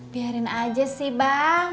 biarin aja sih bang